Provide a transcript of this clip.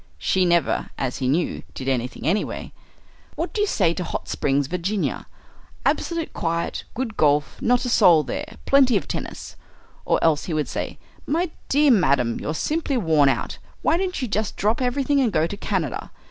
_" (She never, as he knew, did anything, anyway.) "What do you say to Hot Springs, Virginia? absolute quiet, good golf, not a soul there, plenty of tennis." Or else he would say, "My dear madam, you're simply worn out. Why don't you just drop everything and go to Canada?